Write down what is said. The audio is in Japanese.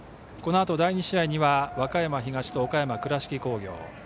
このあと第２試合には和歌山東と倉敷工業。